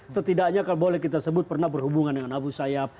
setidaknya kalau boleh kita sebut pernah berhubungan dengan abu sayyaf